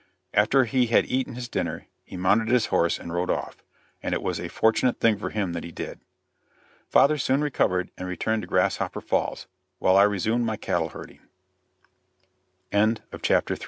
After he had eaten his dinner, he mounted his horse and rode off, and it was a fortunate thing for him that he did. Father soon recovered and returned to Grasshopper Falls, while I resumed my cattle herding. CHAPTER IV. YOUTHFUL EXPERIEN